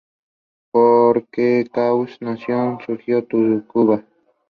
The recording takes about three months to list all the casualties.